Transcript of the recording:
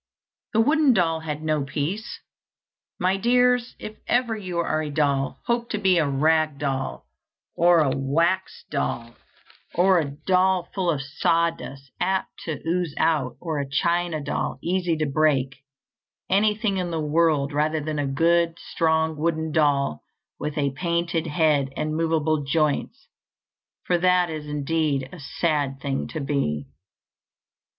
The wooden doll had no peace. My dears, if ever you are a doll, hope to be a rag doll, or a wax doll, or a doll full of sawdust apt to ooze out, or a china doll easy to break anything in the world rather than a good strong wooden doll with a painted head and movable joints, for that is indeed a sad thing to be.